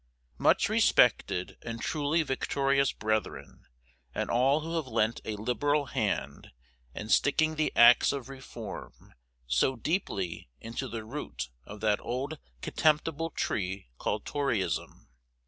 Much respected and truly victorious brethren, and all who have lent a liberal hand in sticking the axe of Reform so deeply into the root of that old contemptible tree called Toryism.